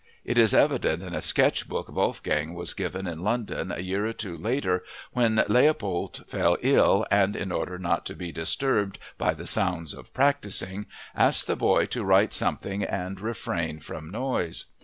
It is evident in a sketch book Wolfgang was given in London a year or two later when Leopold fell ill and, in order not to be disturbed by the sounds of practicing, asked the boy to write something and refrain from noise.